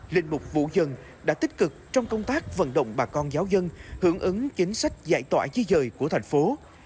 linh mục vũ dân đã tích cực trong công tác vận động bà con giáo dân hưởng ứng chính sách giải tỏa dây dời của thành phố